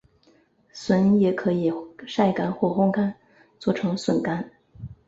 笋也可以晒干或烘干做成笋干。